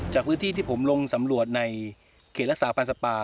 จากพื้นที่ที่ผมลงสำรวจในเขตรักษาพันธ์สัตว์ป่า